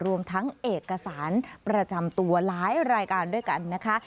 รวมทั้งเอกสารประจำตัวหลายรายการด้วยกันนะคะ